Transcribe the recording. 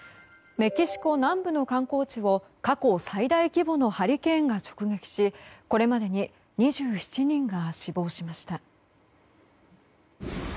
メキシコ南部の観光地に過去最大規模のハリケーンが直撃し、これまでに２７人が死亡しました。